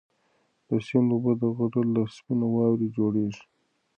د سیند اوبه د غره له سپینو واورو جوړېږي.